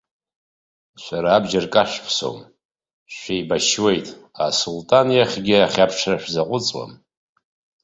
Шәара абџьар кашәԥсом, шәеибашьуеит, асулҭан иахьгьы ахьаԥшра шәзаҟәыҵуам.